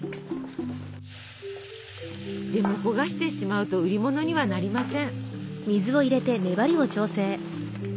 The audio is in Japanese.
でも焦がしてしまうと売り物にはなりません。